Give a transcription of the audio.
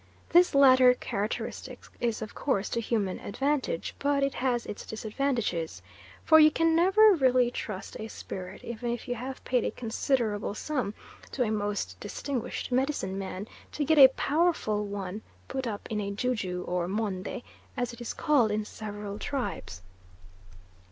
This latter characteristic is of course to human advantage, but it has its disadvantages, for you can never really trust a spirit, even if you have paid a considerable sum to a most distinguished medicine man to get a powerful one put up in a ju ju, or monde, as it is called in several tribes.